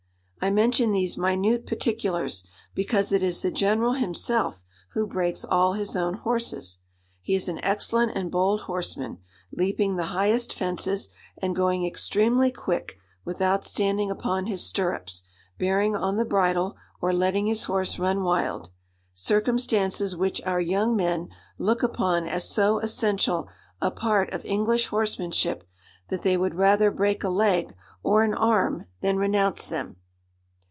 I mention these minute particulars, because it is the General himself who breaks all his own horses. He is an excellent and bold horseman, leaping the highest fences, and going extremely quick without standing upon his stirrups, bearing on the bridle, or letting his horse run wild; circumstances which our young men look upon as so essential a part of English horsemanship, that they would rather break a leg or an arm than renounce them."